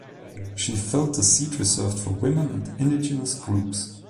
She filled the seat reserved for women and indigenous groups.